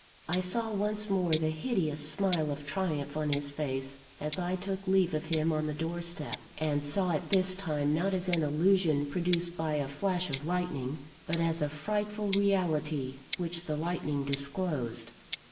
I saw once more the hideous smile of triumph on his face, as I took leave of him on the doorstep: and saw it, this time, not as an illusion produced by a flash of lightning, but as a frightful reality which the lightning disclosed.